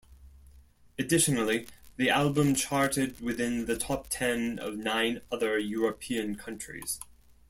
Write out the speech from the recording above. Additionally, the album charted within the top ten of nine other European countries.